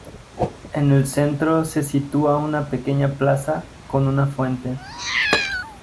En el centro se sitúa una pequeña plaza con una fuente.